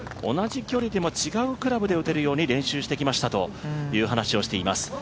同じ距離でも違うクラブで打てるよう練習してきたと話しています。